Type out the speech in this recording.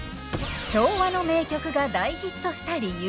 昭和の名曲が大ヒットした理由。